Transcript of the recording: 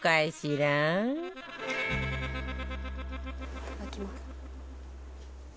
いただきます。